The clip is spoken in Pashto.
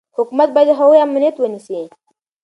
حکومت باید د هغوی امنیت ونیسي.